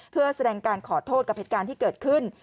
เพื่อแสดงการขอโทษกับเหตุการณ์ที่เกิดขึ้น